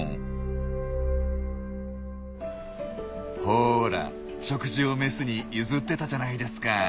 ほら食事をメスに譲っていたじゃないですか？